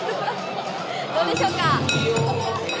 どうでしょうか。